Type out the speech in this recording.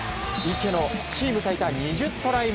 池のチーム最多２０トライ目。